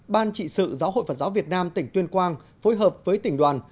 ban trị sự giáo hội phật giáo việt nam tỉnh tuyên quang phối hợp với tỉnh đoàn